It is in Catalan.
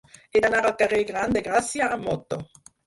He d'anar al carrer Gran de Gràcia amb moto.